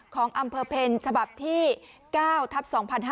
ของอำเภอเพ็ญฉบับที่๙ทัพ๒๕๕๙